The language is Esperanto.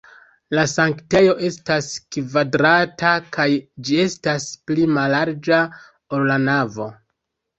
La sanktejo estas kvadrata kaj ĝi estas pli mallarĝa, ol la navo.